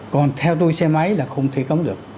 còn theo tôi xe máy là không thể cấm được